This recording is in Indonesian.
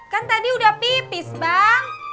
kan tadi udah pipis bang